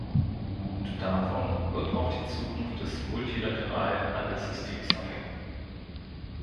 Und davon wird auch die Zukunft des multilateralen Handelssystems abhängen.